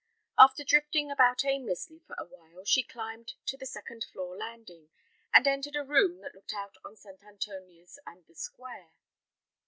After drifting about aimlessly for a while, she climbed to the second floor landing, and entered a room that looked out on St. Antonia's and the square.